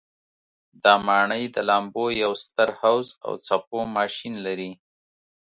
دا ماڼۍ د لامبو یو ستر حوض او څپو ماشین لري.